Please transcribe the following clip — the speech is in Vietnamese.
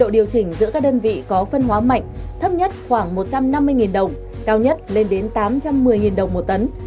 điều chỉnh giữa các đơn vị có phân hóa mạnh thấp nhất khoảng một trăm năm mươi đồng cao nhất lên đến tám trăm một mươi đồng một tấn